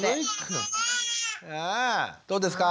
どうですか？